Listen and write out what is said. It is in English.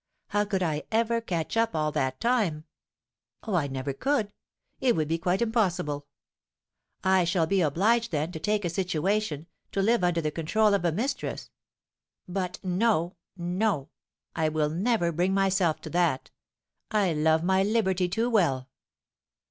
How could I ever catch up all that time? Oh, I never could; it would be quite impossible! I should be obliged, then, to take a situation, to live under the control of a mistress; but no, no, I will never bring myself to that, I love my liberty too well."